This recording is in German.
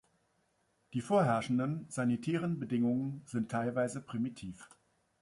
Die vorherrschenden sanitären Bedingungen sind teilweise primitiv.